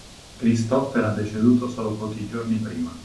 Kristoff era deceduto solo pochi giorni prima.